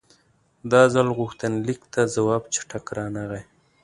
دا ځل غوښتنلیک ته ځواب چټک رانغی.